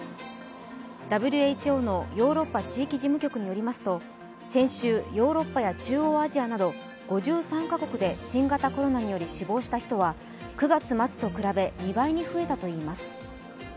ＷＨＯのヨーロッパ地域事務局によりますと先週、ヨーロッパや中央アジアなど５３カ国で新型コロナにより死亡した人は９月末と比べ２倍に増えたといいます。